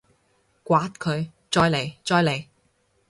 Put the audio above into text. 摑佢！再嚟！再嚟！